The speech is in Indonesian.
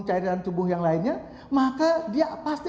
cairan tubuh yang lainnya maka dia pasti